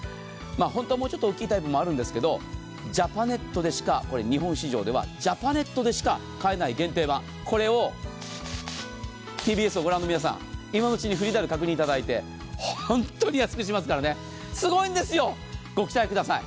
本当はもうちょっと大きいタイプもあるんですけど、ジャパネットでしか、日本市場ではジャパネットでしか買えない限定版、これをＴＢＳを御覧の皆様、今のうちフリーダイヤル確認いただいて本当に安くしますから、すごいんですよ、ご期待ください。